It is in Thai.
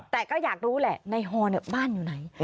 แต่ก็อยากรู้แหละในฮอบ้านอยู่ไหน